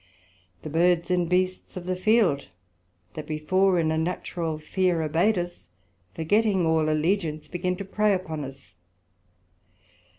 The Birds and Beasts of the field, that before in a natural fear obeyed us, forgetting all allegiance, begin to prey upon us.